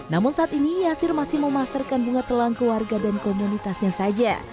namun saat ini yasir masih memasarkan bunga telang ke warga dan komunitasnya saja